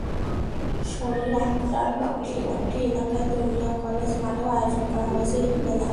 শনির আখড়ার বাঁশপট্টি এলাকায় দনিয়া কলেজ মাঠেও আয়োজন করা হয়েছে ঈদমেলা।